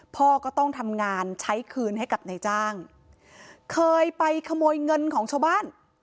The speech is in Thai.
พ่อก็ต้องทำงานใช้คืนให้กับนายจ้างเคยไปขโมยเงินของชาวบ้าน